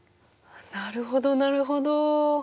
なるほどなるほど。